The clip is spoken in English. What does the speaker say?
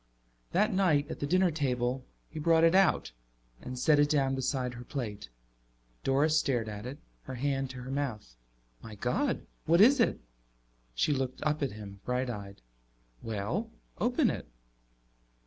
That night at the dinner table he brought it out and set it down beside her plate. Doris stared at it, her hand to her mouth. "My God, what is it?" She looked up at him, bright eyed. "Well, open it."